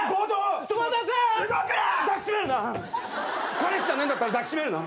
彼氏じゃないんだったら抱き締めるな。